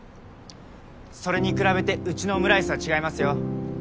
それに比べてうちのオムライスは違いますよ